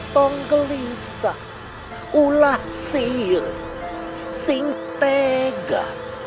tung gelisah ulah siur singtega